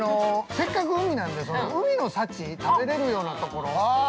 ◆せっかく海なんで海の幸、食べれるようなところ。